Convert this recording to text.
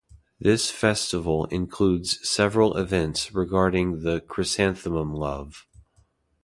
This festival includes several events regarding the chrysanthemum love.